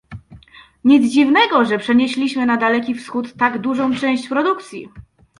Nic dziwnego, że przenieśliśmy na Daleki Wschód tak dużą część produkcji!